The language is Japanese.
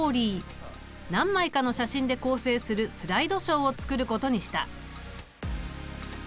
何枚かの写真で構成するスライドショーをつくることにした。